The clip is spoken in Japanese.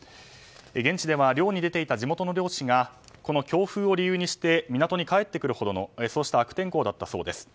現地では漁に出ていた地元の漁師が強風を理由にして港に帰ってくるほどの悪天候だったそうです。